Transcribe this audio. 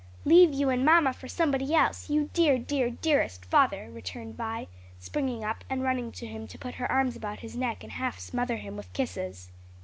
"Leave you and mamma for somebody else, you dear, dear, dearest father!" returned Vi, springing up and running to him to put her arms about his neck and half smother him with kisses.